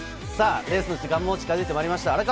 レースの時間も近づいてまいりました。